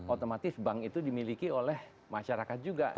otomatis bank itu dimiliki oleh masyarakat juga